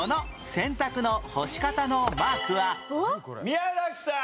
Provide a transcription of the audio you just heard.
宮崎さん。